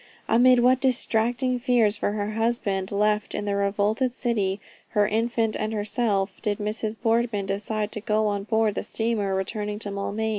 Amid what distracting fears for her husband, left in the revolted city, her infant and herself, did Mrs. Boardman decide to go on board the steamer returning to Maulmain!